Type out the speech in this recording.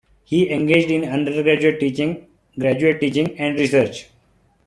He engaged in undergraduate teaching, graduate teaching, and research.